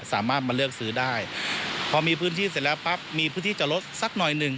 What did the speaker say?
สามารถมาเลือกซื้อได้พอมีพื้นที่เสร็จแล้วปั๊บมีพื้นที่จอดรถสักหน่อยหนึ่ง